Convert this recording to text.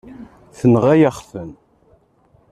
Tenɣa-yaɣ-ten.